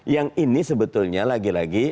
yang ini sebetulnya lagi lagi